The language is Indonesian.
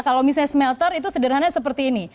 kalau misalnya smelter itu sederhananya seperti ini